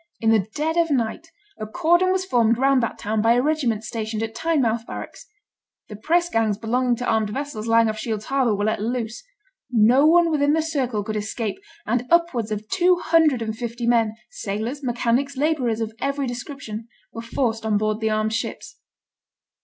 In the dead of night a cordon was formed round that town by a regiment stationed at Tynemouth barracks; the press gangs belonging to armed vessels lying off Shields harbour were let loose; no one within the circle could escape, and upwards of two hundred and fifty men, sailors, mechanics, labourers of every description, were forced on board the armed ships.